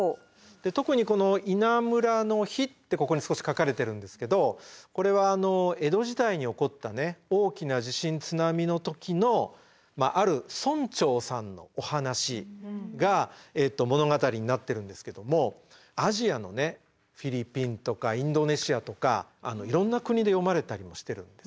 特にこの「稲むらの火」ってここに少し書かれてるんですけどこれは江戸時代に起こったね大きな地震津波の時のある村長さんのお話が物語になってるんですけどもアジアのねフィリピンとかインドネシアとかいろんな国で読まれたりもしてるんですね。